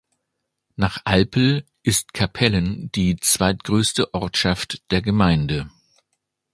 Nach Alpl ist Kapellen die zweitgrößte Ortschaft der Gemeinde.